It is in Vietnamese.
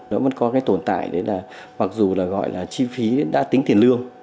nó vẫn có cái tồn tại đấy là mặc dù là gọi là chi phí đã tính tiền lương